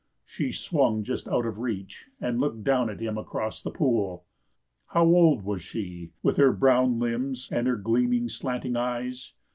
She swung just out of reach and looked down at him across the pool. How old was she, with her brown limbs, and her gleaming, slanting eyes?